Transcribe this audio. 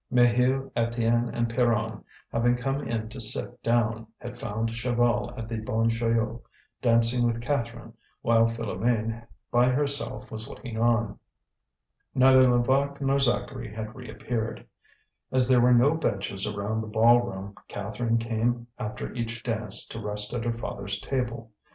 Maheu, Étienne, and Pierron, having come in to sit down, had found Chaval at the Bon Joyeux dancing with Catherine, while Philoméne by herself was looking on. Neither Levaque nor Zacharie had reappeared. As there were no benches around the ball room, Catherine came after each dance to rest at her father's table.